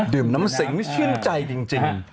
ดื่มน้ำสิงไม่ชื่นใจจริง